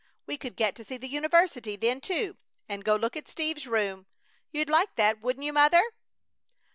We could get to see the university then, too, and go look at Steve's room. You'd like that, wouldn't you, Mother?"